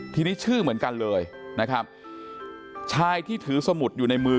ทีนี้ชื่อเหมือนกันเลยนะครับชายที่ถือสมุดอยู่ในมือ